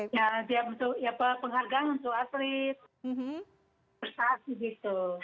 ya dia untuk ya penghargaan untuk atlet